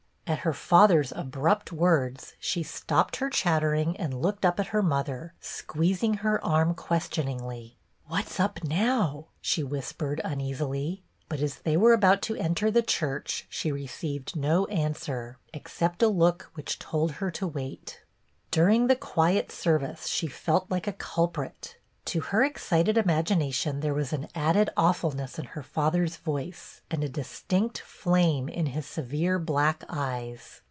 At her father's abrupt words she stopped her chat tering and looked up at her mother, squeez ing her arm questioningly. " What 's up now ?" she whispered, uneas ily ; but as they were about to enter the church she received no answer, except a look which told her to wait. During the quiet service she felt like a culjDrit; to her excited imagination there was an added aw fulness in her father's voice, and a distinct flame in his severe black eyes.